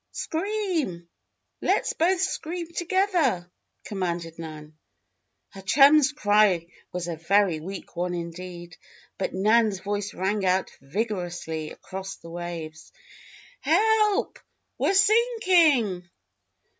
"Scream! Let's both scream together!" commanded Nan. Her chum's cry was a very weak one indeed. But Nan's voice rang out vigorously across the waves. "Help! We're sinking!"